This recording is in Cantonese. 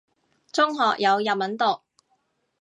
中學有日文讀